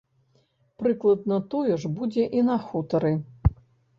Прыкладна тое ж будзе і на хутары.